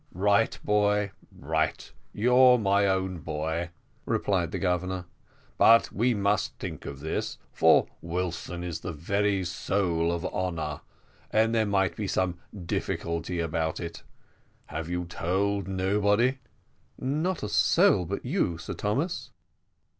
"Right, boy, right! you're my own boy," replied the Governor; "but we must think of this, for Wilson is the very soul of honour, and there may be some difficulty about it. You have told nobody?" "Not a soul but you, Sir Thomas."